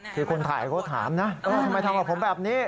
คือคนถ่ายเขาถามนะทำไมทำกับผมแบบนี้